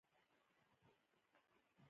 • وخت د انسانانو تر ټولو لوی سرمایه دی.